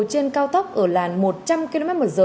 trên cao tốc ở làn một trăm linh kmh